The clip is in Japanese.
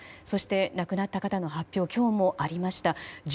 そして、亡くなった方の発表は今日もありました。